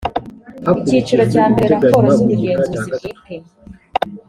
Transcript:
icyiciro cya mbere raporo z ubugenzuzi bwite